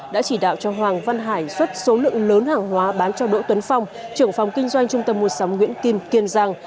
đã chỉ đạo cho hoàng văn hải xuất số lượng lớn hàng hóa bán cho đỗ tuấn phong trưởng phòng kinh doanh trung tâm mua sắm nguyễn kim kiên giang